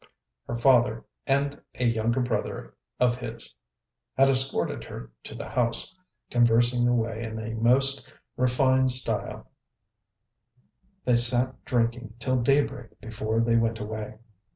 Her father and a younger brother of his had escorted her to the house, and conversing away in a most refined style they sat drinking till daybreak before they went away.